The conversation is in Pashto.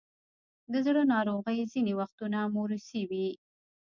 د زړه ناروغۍ ځینې وختونه موروثي وي.